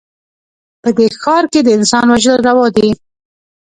په دې ښـار کښې د انسان وژل روا دي